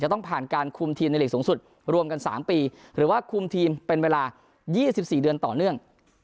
ต้องผ่านการคุมทีมในหลีกสูงสุดรวมกัน๓ปีหรือว่าคุมทีมเป็นเวลา๒๔เดือนต่อเนื่อง